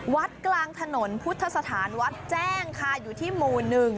วัดกลางถนนพุทธสถานวัดแจ้งค่ะอยู่ที่หมู่๑